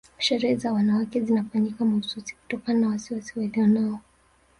Sherehe za wanawake zinafanyika mahususi kutokana na wasiwasi walionao